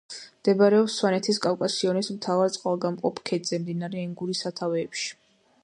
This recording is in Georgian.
მდებარეობს სვანეთის კავკასიონის მთავარ წყალგამყოფ ქედზე, მდინარე ენგურის სათავეებში.